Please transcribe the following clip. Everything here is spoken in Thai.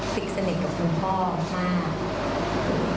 สนิทสนิทกับคุณพ่อมาก